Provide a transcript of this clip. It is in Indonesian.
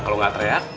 kalau gak teriak